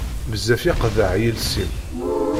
Bezzaf yeqḍeɛ yiles-im.